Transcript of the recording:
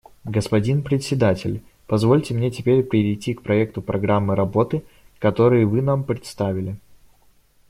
Господин Председатель, позвольте мне теперь перейти к проекту программы работы, который вы нам представили.